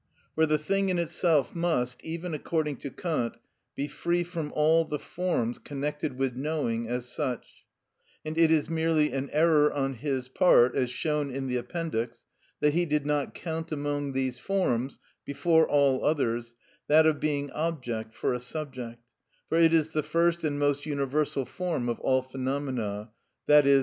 For the thing in itself must, even according to Kant, be free from all the forms connected with knowing as such; and it is merely an error on his part (as is shown in the Appendix) that he did not count among these forms, before all others, that of being object for a subject, for it is the first and most universal form of all phenomena, _i.e.